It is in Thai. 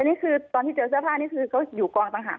อันนี้คือตอนที่เจอเสื้อผ้านี่คือเขาอยู่กองต่างหาก